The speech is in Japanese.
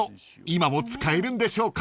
今も使えるんでしょうか？］